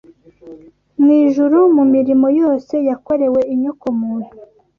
mu ijuru mu mirimo yose yakorewe inyokomuntu!